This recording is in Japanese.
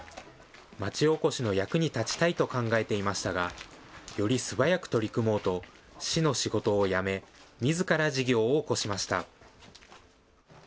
町おこしの役に立ちたいと考えていましたが、より素早く取り組もうと、市の仕事を辞め、みずから事業を興しました。